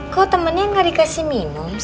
kok temennya gak dikasih minum